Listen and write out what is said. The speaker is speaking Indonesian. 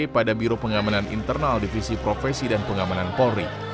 pada biro pengamanan internal divisi profesi dan pengamanan polri